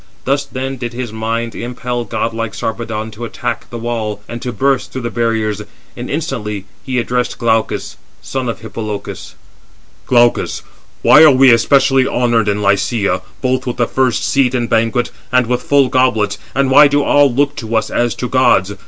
Thus then did his mind impel godlike Sarpedon to attack the wall, and to burst through the barriers; and instantly he addressed Glaucus, son of Hippolochus: "Glaucus, 404 why are we especially honoured in Lycia, both with the [first] seat in banquet, and with full goblets, and why do all look to us as to gods?